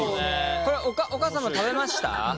これお母さんも食べました？